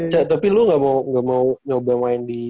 kayak tapi lu gak mau nyoba main di